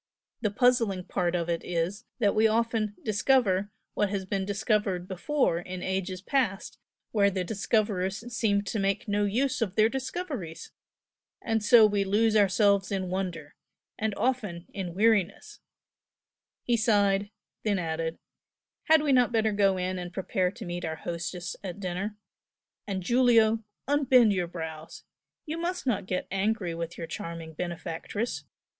The puzzling part of it is that we often 'discover' what has been discovered before in past ages where the discoverers seemed to make no use of their discoveries! and so we lose ourselves in wonder and often in weariness!" He sighed, then added "Had we not better go in and prepare to meet our hostess at dinner? And Giulio! unbend your brows! you must not get angry with your charming benefactress!